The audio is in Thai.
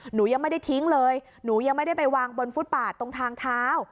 หนูยังไม่ได้ทิ้งเลยหนูยังไม่ได้ไปวางบนฟุตปาดตรงทางเท้า